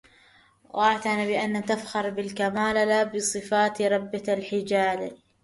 واعْنَ بأن تفخر بالكمال لابصفات ربة الحِجَالِ